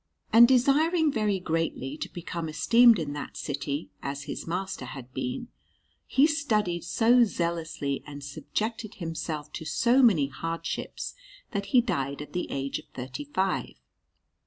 And desiring very greatly to become esteemed in that city, as his master had been, he studied so zealously and subjected himself to so many hardships that he died at the age of thirty five.